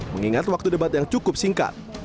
mengingat waktu debat yang cukup singkat